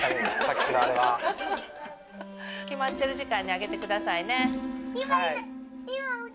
決まってる時間にあげてくださいね。